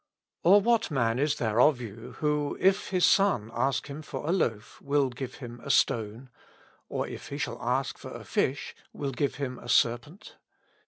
Or what i?ian is there of you, who, if his son ask him for a loaf will give hitn a stone ; or if he shall ask for a fish^ will give him a serpent